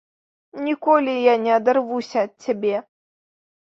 Ніколі я не адарвуся ад цябе!